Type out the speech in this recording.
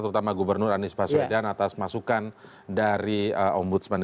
terutama gubernur anies baswedan atas masukan dari om budsman